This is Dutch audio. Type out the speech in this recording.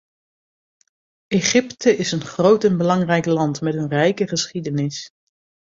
Egypte is een groot en belangrijk land met een rijke geschiedenis.